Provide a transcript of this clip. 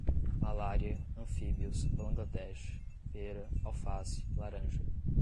malária, anfíbios, Bangladesh, pera, alface, laranja